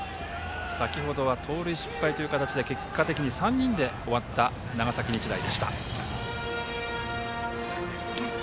先程は盗塁失敗という形で結果的に３人で終わった長崎日大でした。